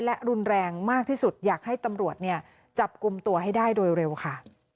และรุนแรงมากที่สุดอยากให้ตำรวจเนี่ยจับกลุ่มตัวให้ได้โดยเร็วค่ะ